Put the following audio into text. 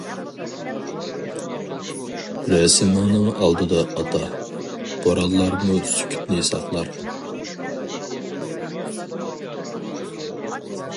رەسىمىڭنىڭ ئالدىدا ئاتا، بورانلارمۇ سۈكۈتنى ساقلار.